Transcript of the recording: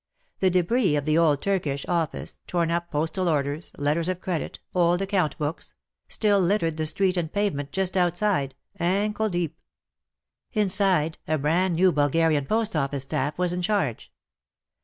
The debris of the old Turkish office — torn up postal orders, letters of credit, old account books — still littered the street and pavement just outside — ankle deep. Inside, a bran new Bulgarian post office staff was in charge.